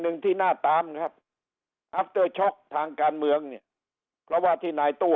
หนึ่งที่น่าตามครับทางการเมืองเนี่ยเพราะว่าที่นายตู้